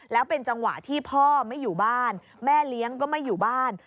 แล้วเป็นจังหวะที่พ่อไม่อยู่บ้านแม่เลี้ยงก็ไม่อยู่บ้าน